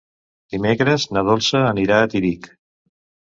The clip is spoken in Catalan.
Dimecres na Dolça anirà a Tírig.